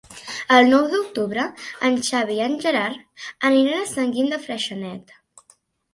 El nou d'octubre en Xavi i en Gerard aniran a Sant Guim de Freixenet.